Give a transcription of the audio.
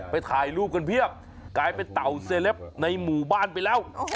ถ่ายรูปกันเพียบกลายเป็นเต่าเซเลปในหมู่บ้านไปแล้ว